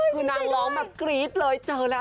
คือนางร้องกรี๊ดเลยเจอแล้วจริง